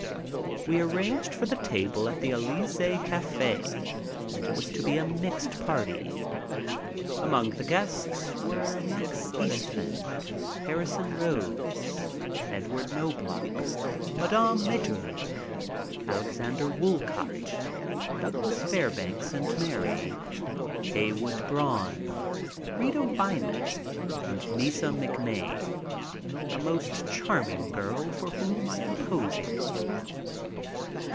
We arranged for a table at the Elysee Cafe and it was to be a mixed party. Among the guests were Max Eastman, Harrison Rhodes, Edward Knobloch, Mme. Maeterlinck, Alexander Woolcott, Douglas Fairbanks and Mary, Heywood Broun, Rita Weiman, and Neysa McMein, a most charming girl for whom I am posing.